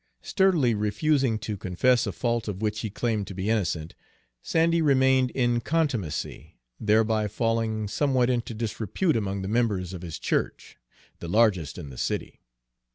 Sturdily refusing to confess a fault of which he claimed to be innocent, Sandy remained in contumacy, thereby falling somewhat into disrepute among the members of his church, the largest in the city.